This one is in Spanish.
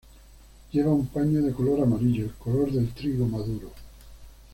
Lleva un paño de color amarillo, el color del trigo maduro.